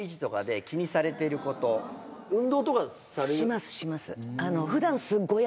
しますします。